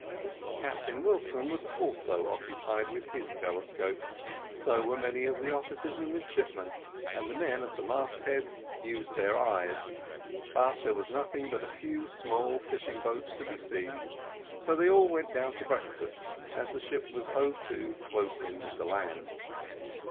Captain Wilson was also occupied with his telescope, so were many of the officers and midshipmen, and the men at the mast heads used their eyes, but there was nothing but a few small fishing boats to be seen. So they all went down to breakfast, as the ship was hove to close in with the land.